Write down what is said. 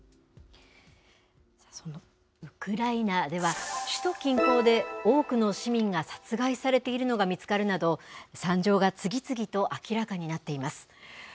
そのウクライナでは、首都近郊で多くの市民が殺害されているのが見つかるなど、惨状が次々と明らかになっています。